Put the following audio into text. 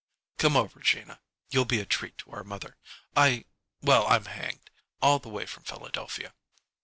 "Come over, Gina. You'll be a treat to our mother. I Well, I'm hanged! All the way from Philadelphia!"